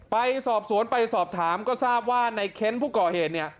ไปสอบสวนไปสอบถามก็ทราบว่าในเค้นผู้ก่อเหตุเนี่ย